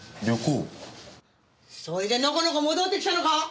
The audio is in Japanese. そいでのこのこ戻ってきたのか！